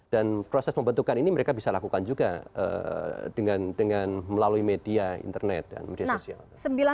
dan proses membentukkan ini mereka bisa lakukan juga dengan melalui media internet dan media sosial